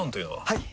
はい！